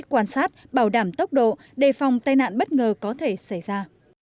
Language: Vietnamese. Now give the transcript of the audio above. quan sát bảo đảm tốc độ đề phòng tai nạn bất ngờ có thể xảy ra